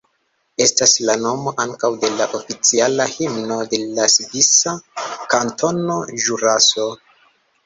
Estas la nomo ankaŭ de la oficiala himno de la svisa kantono Ĵuraso.